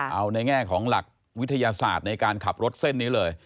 เอาในแง่ของหลักวิทยาศาสตร์ในการขับรถเส้นนี้เลย